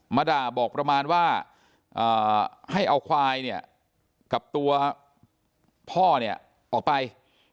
มาด่าบอกประมาณว่าให้เอาควายเนี่ยกับตัวพ่อเนี่ยออกไป